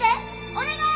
お願い！